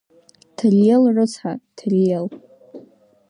Тариел рыцҳа, Тариел!